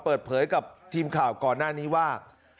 เปิดเผยกับทีมข่าวก่อนหน้านี้ว่า